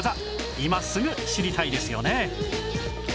今すぐ知りたいですよね